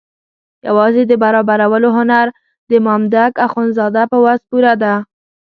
یوازې د برابرولو هنر د مامدک اخندزاده په وس پوره ده.